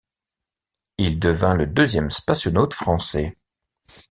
Il devint le deuxième spationaute français.